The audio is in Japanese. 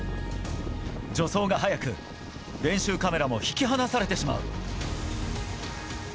助走が速く練習カメラも引き離されてしまう。